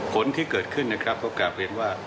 ผลที่เกิดขึ้นก็กลับเห็นว่า